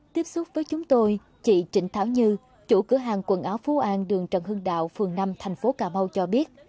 tiếp xúc với chúng tôi chị trịnh thảo như chủ cửa hàng quần áo phú an đường trần hưng đạo phường năm thành phố cà mau cho biết